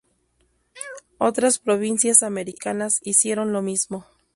Otras provincias americanas hicieron lo mismo.